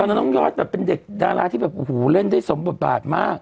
น้องยอดแบบเป็นเด็กดาราที่แบบโอ้โหเล่นได้สมบทบาทมาก